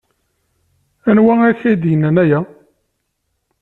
Anwa i ak-d-yennan aya?